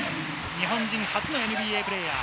日本人初のＮＢＡプレーヤー。